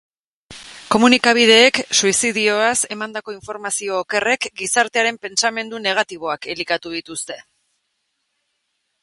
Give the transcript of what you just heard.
Komunikabideek suizidioaz emandako informazio okerrek gizartearen pentsamendu negatiboak elikatu dituzte.